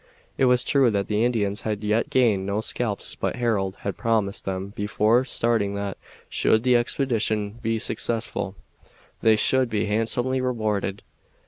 It was true that the Indians had as yet gained no scalps, but Harold had promised them before starting that, should the expedition be successful, they should be handsomely rewarded.